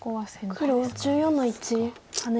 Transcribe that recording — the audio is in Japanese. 黒１４の一ハネ。